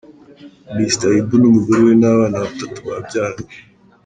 Mr Ibu n’umugore we n’abana batatu babyaranye.